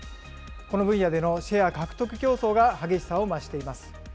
この分野でのシェア獲得競争が激しさを増しています。